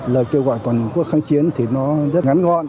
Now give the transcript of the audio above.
lời kêu gọi toàn quốc kháng chiến thì nó rất ngắn gọn